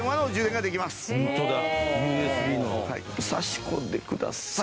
挿し込んでください。